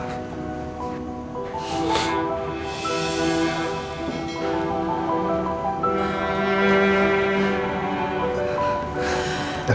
kau sudah senyuman